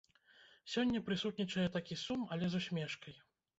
Сёння прысутнічае такі сум, але з усмешкай.